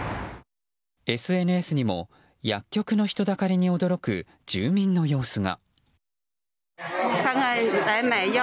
ＳＮＳにも、薬局の人だかりに驚く住民の様子が。